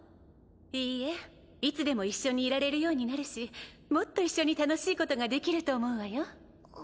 いいえいつでも一緒にいられるようになるしもっと一緒に楽しいことができると思うわよ？